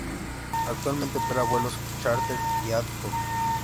Actualmente opera vuelos chárter y ad-hoc.